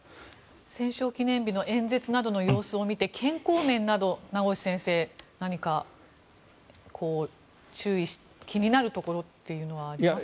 戦勝記念日の演説などの様子を見て健康面など名越先生、何か注意気になるところはありますか？